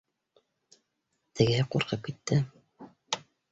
Тегеһе ҡурҡып китте: